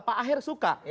pak aher suka